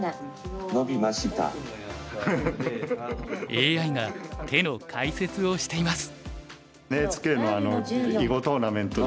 ＡＩが手の解説をしています。